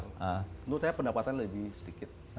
nah tentu saya pendapatan lebih sedikit